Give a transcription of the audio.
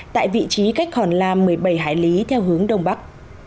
tại vị trí cách hòn la một mươi bảy hải lý theo hướng đông bắc